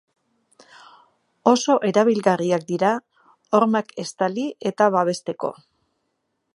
Oso erabilgarriak dira hormak estali eta babesteko.